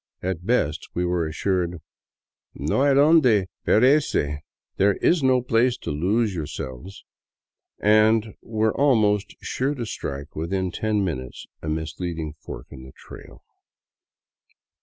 At best, we were assured: " No hay donde perderse — There is no place to lose yourselves "— and were almost sure to strike, within ten minutes, a misleading fork in the trail.